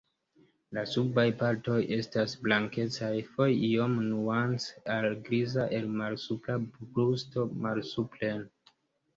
La subaj partoj estas blankecaj, foje iom nuance al griza el malsupra brusto malsupren.